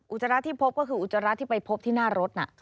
จราที่พบก็คืออุจจาระที่ไปพบที่หน้ารถน่ะ